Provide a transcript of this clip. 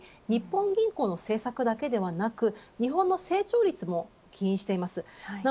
日本銀行の政策だけでなく日本の成長率も起因しています。